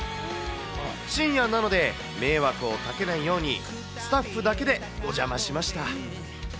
深夜なので、迷惑をかけないように、スタッフだけでお邪魔しました。